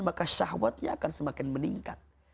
maka syahwatnya akan semakin meningkat